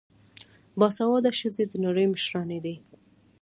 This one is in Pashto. باسواده ښځې د نړۍ مشرانې دي.